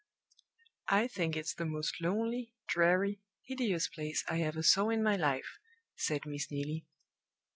"I think it's the most lonely, dreary, hideous place I ever saw in my life!" said Miss Neelie.